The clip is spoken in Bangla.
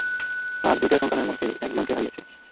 তার দুইটা সন্তানের মধ্যে, একজনকে হারিয়েছে।